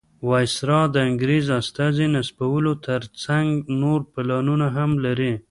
وایسرا د انګریز استازي نصبولو تر څنګ نور پلانونه هم لري.